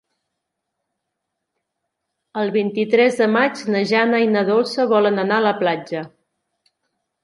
El vint-i-tres de maig na Jana i na Dolça volen anar a la platja.